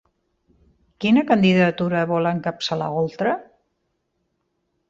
Quina candidatura vol encapçalar Oltra?